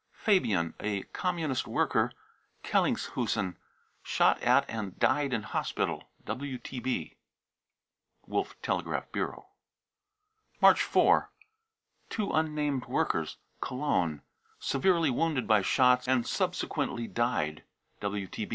fabian, a Communist worker, Kellinghusen, shot at and died in hospital. (WTB.) March 4th. two unnamed workers, Cologne, severely wounded by shots and subsequently died.